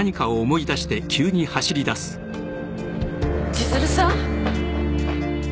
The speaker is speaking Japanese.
千鶴さん？